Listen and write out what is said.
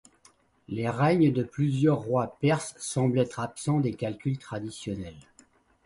Les règnes de plusieurs rois perses semblent être absents des calculs traditionnels.